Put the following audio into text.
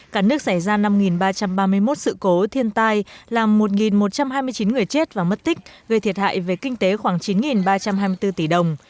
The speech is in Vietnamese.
cả nước xảy ra năm ba trăm ba mươi một sự cố thiên tai làm một một trăm hai mươi chín người chết và mất tích gây thiệt hại về kinh tế khoảng chín ba trăm hai mươi bốn tỷ đồng